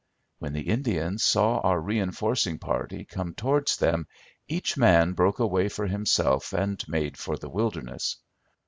When the Indians saw our reinforcing party come towards them each man broke away for himself and made for the wilderness.